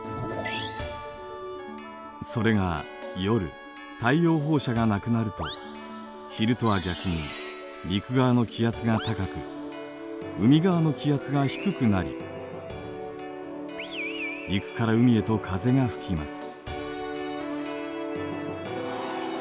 それが夜太陽放射がなくなると昼とは逆に陸側の気圧が高く海側の気圧が低くなり陸から海へと風が吹きます。